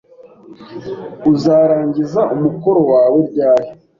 Uzarangiza umukoro wawe ryari?